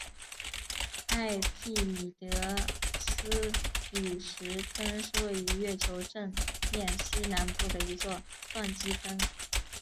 埃庇米尼得斯陨石坑是位于月球正面西南部的一座撞击坑。